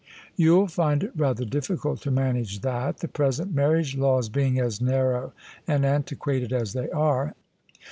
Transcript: " Youll find it rather difficult to manage that, the present marriage laws being as narrow and antiquated as they are."